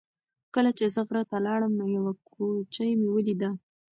کله چې زه غره ته لاړم نو یوه کوچۍ مې ولیده.